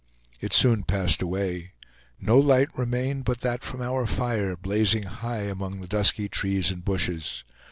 It soon passed away; no light remained, but that from our fire, blazing high among the dusky trees and bushes.